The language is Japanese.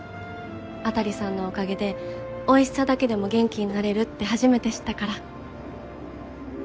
辺さんのおかげでおいしさだけでも元気になれるって初めて知ったから。